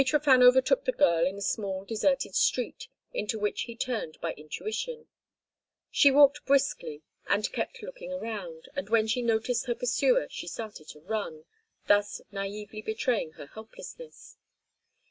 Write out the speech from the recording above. Mitrofan overtook the girl in a small deserted street, into which he turned by intuition. She walked briskly and kept looking around, and when she noticed her pursuer she started to run, thus naïvely betraying her helplessness.